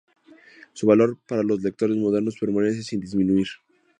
Su valor para los lectores modernos permanece sin disminuir.